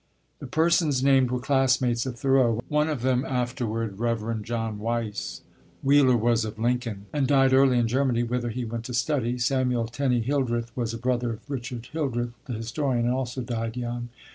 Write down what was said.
The persons named were classmates of Thoreau: one of them afterward Rev. John Weiss; Wheeler was of Lincoln, and died early in Germany, whither he went to study; Samuel Tenney Hildreth was a brother of Richard Hildreth, the historian, and also died young.